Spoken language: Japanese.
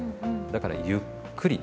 だからゆっくり。